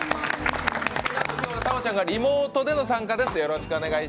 きょうは太鳳ちゃんがリモートでの参加です。